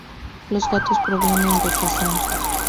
Los gatos provienen de Kazán.